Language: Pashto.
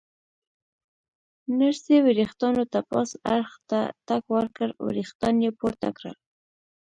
نرسې ورېښتانو ته پاس اړخ ته ټک ورکړ، ورېښتان یې پورته کړل.